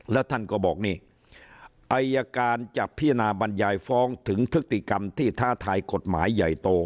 แล้วท่านก็บอกนี่อายการจะพิจารณาบรรยายฟ้องถึงพฤติกรรมที่ท้าทายกฎหมายใหญ่โต